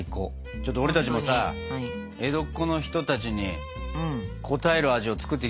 ちょっと俺たちもさ江戸っ子の人たちに応える味を作っていきますか。